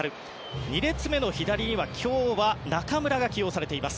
２列目の左には今日は中村が起用されています。